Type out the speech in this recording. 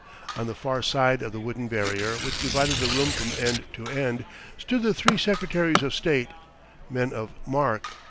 On the far side of the wooden barrier which divided the room from end to end, stood the three Secretaries of State, men of mark.